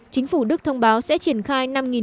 chính phủ đức thông báo sẽ triển khai